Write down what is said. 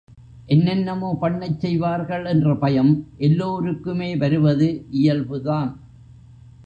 என்னென்னமோ பண்ணச் செய்வார்கள் என்ற பயம் எல்லோருக்குமே வருவது இயல்புதான்.